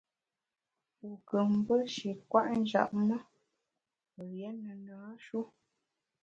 Wu kù mbe shi kwet njap me, rié ne na-shu.